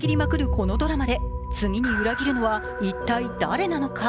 このドラマで次に裏切るのは一体誰なのか。